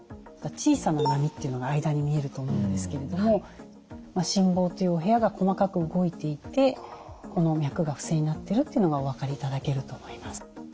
小さな波というのが間に見えると思うんですけれども心房という部屋が細かく動いていてこの脈が不整になっているというのがお分かりいただけると思います。